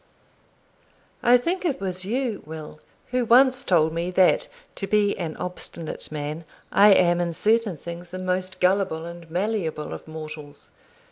I think it was you, Will, who once told me, that, to be an obstinate man, I am in certain things the most gullable and malleable of mortals.